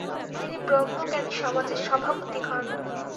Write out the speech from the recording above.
তিনি ব্রহ্মজ্ঞানী সমাজের সভাপতি হন।